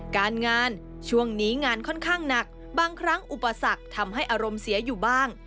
การงานช่วงนี้งานค่อนข้างหนักบางครั้งอุปสรรคทำให้อารมณ์เสียอยู่บ้าง